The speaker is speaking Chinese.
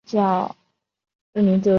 嘉庆十九年登甲戌科进士。